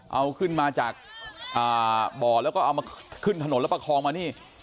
เอาขึ้นมาจากบ่อแล้วก็เอามาขึ้นถนนแล้วประคองมานี่